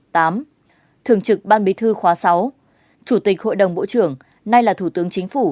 thường trực ban bí thư khóa sáu chủ tịch hội đồng bộ trưởng nay là thủ tướng chính phủ